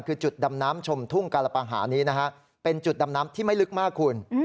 คือจุดดำน้ำชมทุ่งกาลปางหานี้นะฮะเป็นจุดดำน้ำที่ไม่ลึกมากคุณ